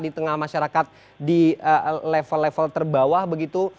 di tengah masyarakat di level level terbawah begitu